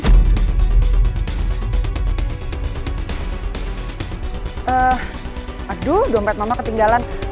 aduh dompet mama ketinggalan